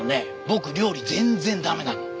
僕料理全然駄目なの。